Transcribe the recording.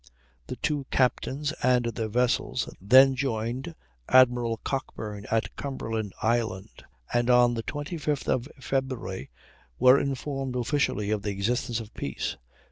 The two captains and their vessels then joined Admiral Cockburn at Cumberland Island, and on the 25th of February were informed officially of the existence of peace.